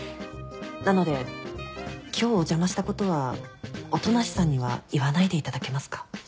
なので今日お邪魔したことは音無さんには言わないでいただけますか？